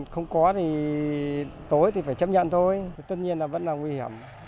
không có thì tối thì phải chấp nhận thôi tất nhiên là vẫn là nguy hiểm